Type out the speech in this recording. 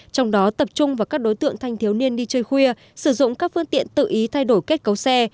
trong đó tập trung vào các đối tượng thanh thiếu niên đi chơi khuya sử dụng các phương tiện tự ý thay đổi kết cấu xe